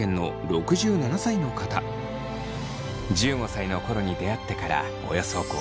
１５歳の頃に出会ってからおよそ５２年。